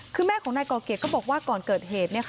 คือแม่ของนายก่อเกดก็บอกว่าก่อนเกิดเหตุ